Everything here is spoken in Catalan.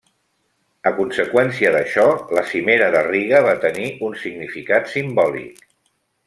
A conseqüència d'això, la Cimera de Riga va tenir un significat simbòlic.